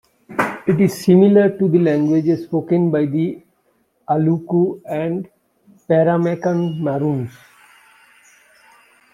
It is similar to the languages spoken by the Aluku and Paramaccan Maroons.